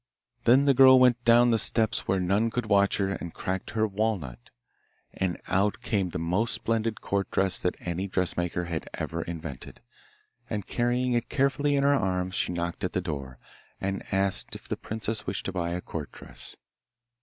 Then the girl went down the steps where none could watch her and cracked her walnut, and out came the most splendid court dress that any dressmaker had ever invented; and, carrying it carefully in her arms, she knocked at the door, and asked if the princess wished to buy a court dress.